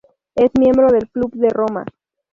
Es miembro del Club de Roma.